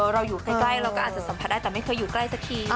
เราอยู่ใกล้เราก็อาจจะสัมผัสได้แต่ไม่เคยอยู่ใกล้สักที